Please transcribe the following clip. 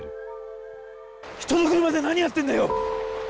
人の車で何やってんだよ！